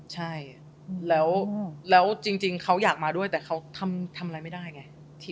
ใช่แล้วจริงเขาอยากมาด้วยแต่เขาทำอะไรไม่ได้ไง